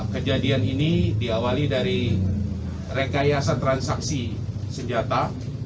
kejadian ini diawali dari rekayasa transaksi senjata